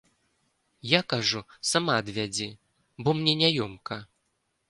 Я кажу, сама адвязі, бо мне няёмка.